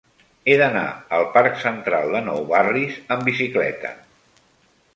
He d'anar al parc Central de Nou Barris amb bicicleta.